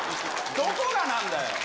どこがなんだよ。